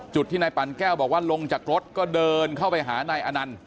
จุดที่นายปั่นแก้วบอกว่าลงจากรถก็เดินเข้าไปหานายอนันต์